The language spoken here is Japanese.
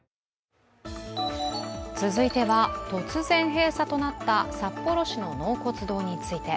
続いては、突然閉鎖となった札幌市の納骨堂について。